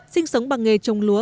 sinh sống bằng nghề trồng lúa